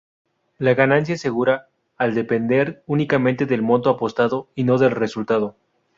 La ganancia es segura, al depender únicamente del monto apostado, y no del resultado.